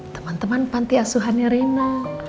teman teman pantiasuhannya rina